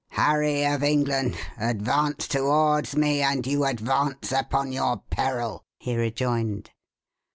"Harry of England, advance towards me, and you advance upon your peril," he rejoined.